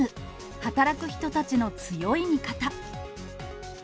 働く人たちの強い味方。